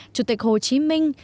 chủ tịch hồ chí minh